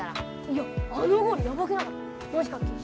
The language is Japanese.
いやあのゴールヤバくなかった？